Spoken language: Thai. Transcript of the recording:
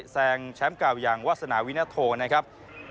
แซงแชมป์เก่าอย่างวาสนาวินโทนะครับ